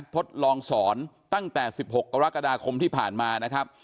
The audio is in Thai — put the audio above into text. ทดลองสอนตั้งแต่๑๖กรกฎาคมที่ผ่านมานะครับ